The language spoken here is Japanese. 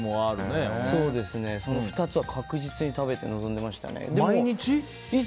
その２つは確実に食べて臨んでましたね。